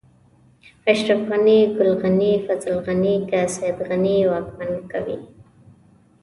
اشرف غني، ګل غني، فضل غني، که سيد غني واکمن کوي.